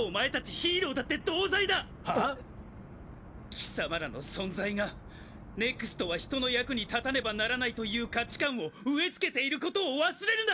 貴様らの存在がＮＥＸＴは人の役に立たねばならないという価値観を植えつけていることを忘れるな！